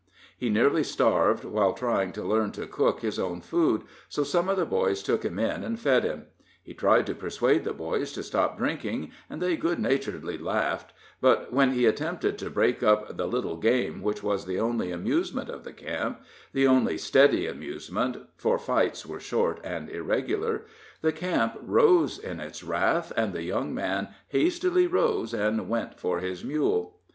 He nearly starved while trying to learn to cook his own food, so some of the boys took him in and fed him. He tried to persuade the boys to stop drinking, and they good naturedly laughed; but when he attempted to break up the "little game" which was the only amusement of the camp the only steady amusement, for fights were short and irregular the camp rose in its wrath, and the young man hastily rose and went for his mule.